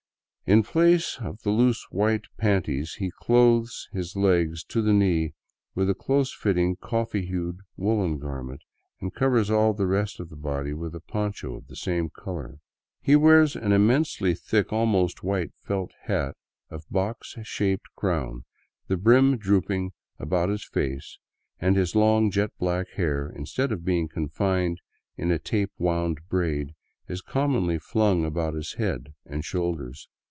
In place of the loose white panties, he clothes his legs to the knee with a close fitting coffee hued woolen garment, and covers all the rest of the body with a poncho of the same color. He wears an immensely thick, almost white, felt hat of box shaped crown, the brim drooping about his face, and his long, jet black hair, instead of being confined in a tape wound braid, is commonly flying about his head and shoulders.